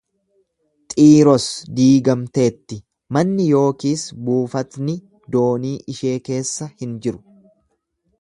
Xiiros diigamteetti, manni yookiis buufatni doonii ishee keessa hin jiru.